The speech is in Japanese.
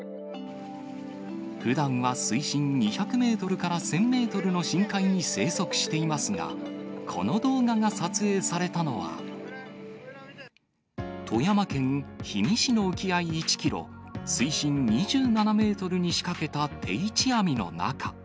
ふだんは水深２００メートルから１０００メートルの深海に生息していますが、この動画が撮影されたのは、富山県氷見市の沖合１キロ、水深２７メートルに仕掛けた定置網の中。